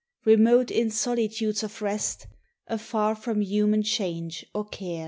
Remote in solitudes of rest, Afar from human change or care.